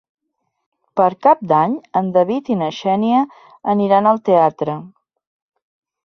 Per Cap d'Any en David i na Xènia aniran al teatre.